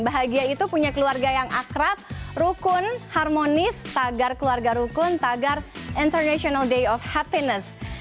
bahagia itu punya keluarga yang akrab rukun harmonis tagar keluarga rukun tagar international day of happiness